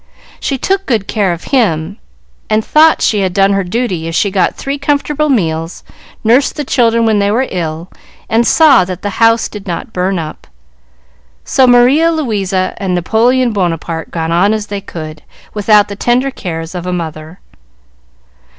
She took good care of him, and thought she had done her duty if she got three comfortable meals, nursed the children when they were ill, and saw that the house did not burn up. So Maria Louisa and Napoleon Bonaparte got on as they could, without the tender cares of a mother.